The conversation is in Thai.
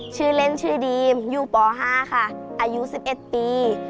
ชื่อเล่นชื่อดีมอยู่ป๕ค่ะอายุ๑๑ปี